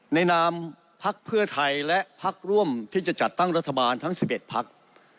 นามพักเพื่อไทยและพักร่วมที่จะจัดตั้งรัฐบาลทั้ง๑๑พัก